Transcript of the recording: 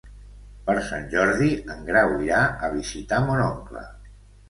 Per Sant Jordi en Grau irà a visitar mon oncle.